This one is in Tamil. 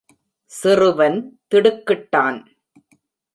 சிறுவன் திடுக்கிட்டான்.